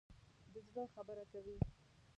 د زړه خبره کوي.